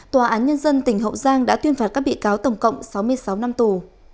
tòa án nhân dân tỉnh hậu giang đã tuyên phạt các bị cáo tổng cộng sáu mươi sáu năm tù